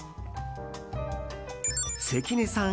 関根さん